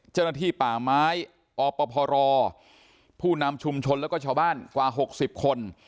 เจ้าหน้าที่ป่าไม้อปพรผู้นำชุมชนแล้วก็ชาวบ้านกว่า๖๐คน